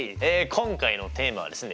今回のテーマはですね